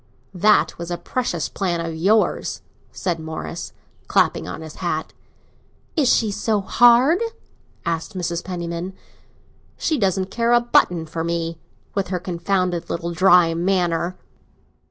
"That was a precious plan of yours!" said Morris, clapping on his hat. "Is she so hard?" asked Mrs. Penniman. "She doesn't care a button for me—with her confounded little dry manner."